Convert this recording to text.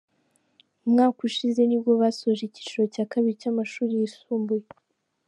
Umwaka ushize nibwo basoje icyiciro cya kabiri cy’amashuri yisumbuye.